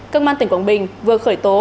công an tỉnh quảng bình vừa khởi tố